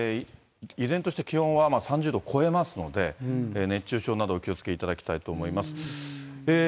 依然として気温は３０度を超えますので、熱中症などお気をつけいただきたいと思います。